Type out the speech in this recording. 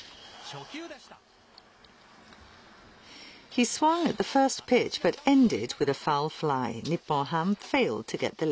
初球でした。